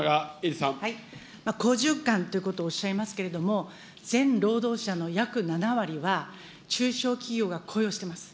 好循環ということをおっしゃいますけれども、全労働者の約７割は、中小企業が雇用してます。